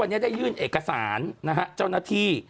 วันนี้ได้ยื่นเอกสารนะฮะเจ้าหน้าที่